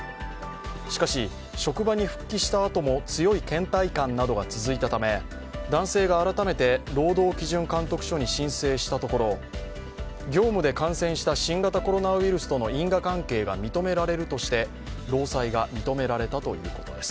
しかし、職場に復帰したあとも強いけん怠感などが続いたため男性が改めて労働基準監督署に申請したところ、業務で感染した新型コロナウイルスとの因果関係が認められるとして労災が認められたということです。